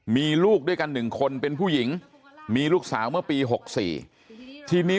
มีลูกด้วยกัน๑คนเป็นผู้หญิงมีลูกสาวเมื่อปี๖๔ทีนี้